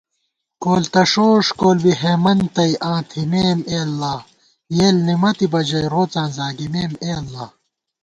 کول تہ ݭوݭ کول بی ہېمند تئ آں تھِمېم اے اللہ * یېل نِمَتِبہ ژَئی روڅاں زاگِمېم اےاللہ